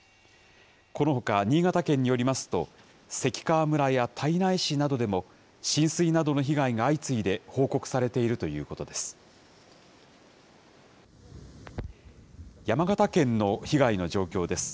このほか新潟県によりますと、関川村や胎内市などでも、浸水などの被害が相次いで報告されているということです。